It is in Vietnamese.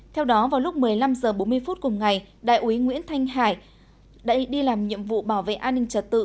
theo đó vào lúc một mươi năm h bốn mươi phút cùng ngày đại úy nguyễn thanh hải đã đi làm nhiệm vụ bảo vệ an ninh trật tự